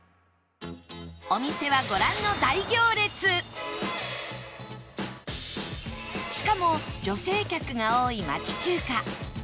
お店はご覧のしかも女性客が多い町中華